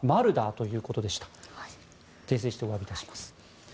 訂正しておわびいたします。